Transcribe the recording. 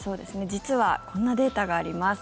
実はこんなデータがあります。